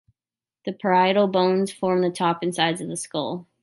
The parietal bones form the top and sides of the skull.